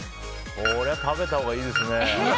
こりゃ食べたほうがいいですね。